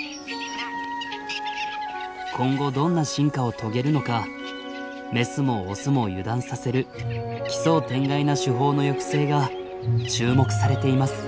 今後どんな進化を遂げるのかメスもオスも油断させる奇想天外な手法の行く末が注目されています。